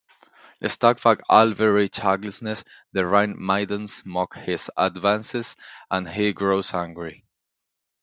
Struck by Alberich's ugliness, the Rhine maidens mock his advances and he grows angry.